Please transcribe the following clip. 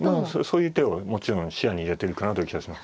そういう手をもちろん視野に入れてるかなという気がします。